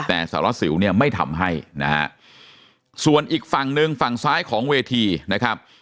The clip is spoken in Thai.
แต่สารสิวเนี่ยไม่ทำให้นะฮะส่วนอีกฝั่งหนึ่งฝั่งซ้ายของเวทีนะครับ